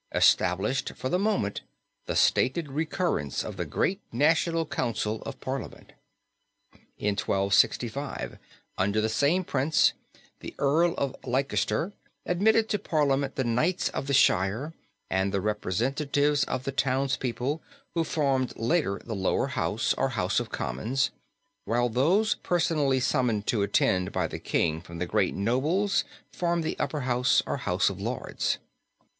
established, for the moment, the stated recurrence of the great national council of Parliament. In 1265, under the same Prince, the earl of Leicester admitted to Parliament the knights of the shire and the representatives of the townspeople, who formed later the lower house, or House of Commons, while those personally summoned to attend by the king from the great nobles formed the upper house, or House of Lords.